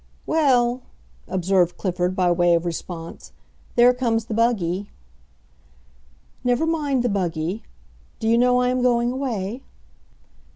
"Well," observed Clifford, by way of response, "there comes the buggy." "Never mind the buggy. Do you know I am going away?"